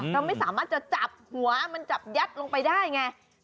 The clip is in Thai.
เราไม่สามารถจะจับหัวมันจับยัดลงไปได้ไง